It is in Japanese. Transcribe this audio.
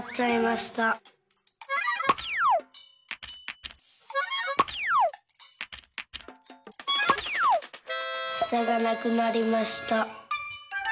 「したがなくなりました。